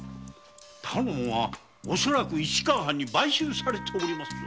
頼母は恐らく石川藩に買収されておりますぞ。